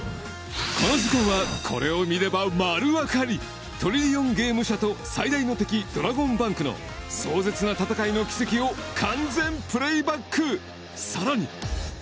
この時間はこれを見れば丸分かりトリリオンゲーム社と最大の敵ドラゴンバンクの壮絶な闘いの軌跡を完全プレイバックさらに